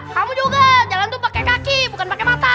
kamu juga jalan tuh pakai kaki bukan pakai mata